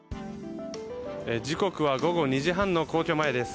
時刻は午後２時半の皇居前です。